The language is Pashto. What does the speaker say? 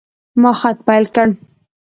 ما خط پیل کړ.